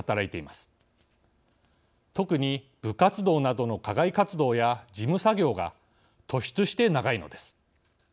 特に部活動などの課外活動や事務作業が突出して長いのです。